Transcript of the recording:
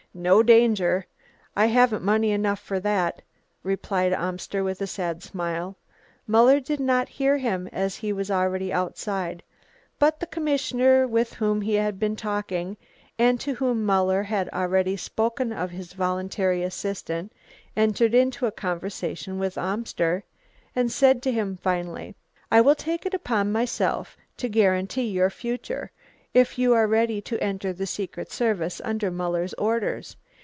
"No danger. I haven't money enough for that," replied Amster with a sad smile. Muller did not hear him as he was already outside. But the commissioner with whom he had been talking and to whom Muller had already spoken of his voluntary assistant, entered into a conversation with Amster, and said to him finally: "I will take it upon myself to guarantee your future, if you are ready to enter the secret service under Muller's orders.